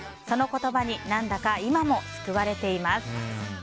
その言葉に何だか今も救われています。